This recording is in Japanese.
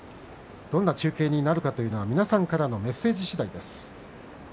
どんな中継になるかというのは皆さんからのメッセージしだいです。